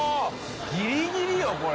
ギリギリよこれ。